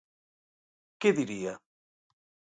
Que diría?